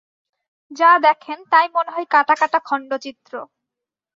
যা দেখেন, তাই মনে হয় কাটা-কাটা খণ্ডচিত্র।